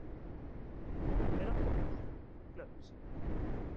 Eran polos? Claro que si.